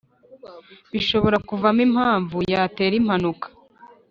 bishobora kuvamo impamvu yatera impanuka